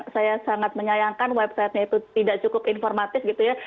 saya sangat menyayangkan websitenya itu tidak cukup informatif gitu ya